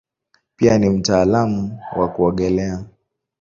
Pia ni mtaalamu wa kuogelea.